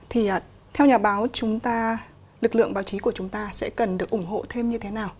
thì theo nhà báo lực lượng báo chí của chúng ta sẽ cần được ủng hộ thêm như thế nào